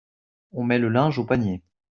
On met le linge au panier.